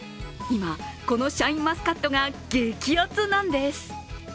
今、このシャインマスカットが激熱なんです。